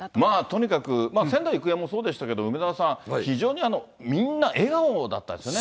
とにかく仙台育英もそうでしたけども、梅沢さん、非常にみんな笑顔だったですよね。